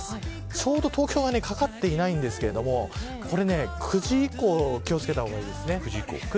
ちょうど東京にはかかっていないんですがこれ、９時以降気を付けた方がいいですね。